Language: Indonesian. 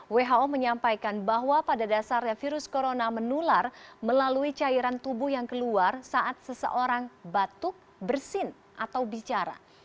who menyampaikan bahwa pada dasarnya virus corona menular melalui cairan tubuh yang keluar saat seseorang batuk bersin atau bicara